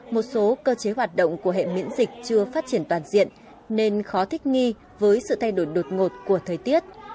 một số cơ chế hoạt động của hệ miễn dịch chưa phát triển toàn diện nên khó thích nghi với sự thay đổi đột ngột của thời tiết